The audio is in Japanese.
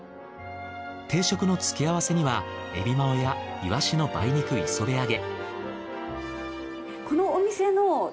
定食の付け合わせにはエビマヨやイワシの梅肉磯辺揚げ。